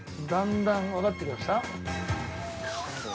だんだん分かって来ました？